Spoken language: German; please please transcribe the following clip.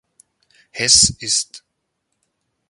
Hess ist